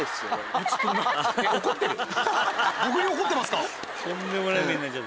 僕に怒ってますか？